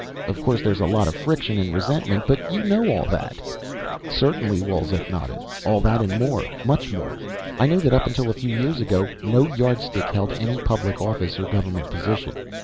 Of course there's a lot of friction and resentment. But you know all that." "Certainly." Wolzek nodded. "All that and more. Much more. I know that up until a few years ago, no Yardstick held any public office or government position.